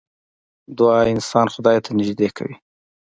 دعا انسان خدای ته نژدې کوي .